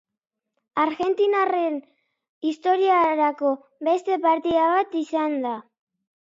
Argentinarraren historiarako beste partida bat izan da.